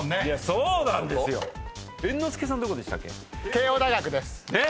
慶應大学です。